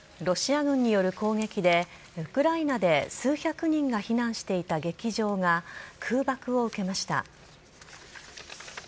ロシア軍による攻撃でウクライナで数百人が避難していた劇場が空爆を受けました。